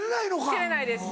つけれないです。